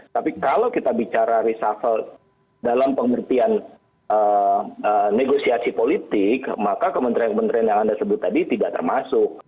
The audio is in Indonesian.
tapi kalau kita bicara reshuffle dalam pengertian negosiasi politik maka kementerian kementerian yang anda sebut tadi tidak termasuk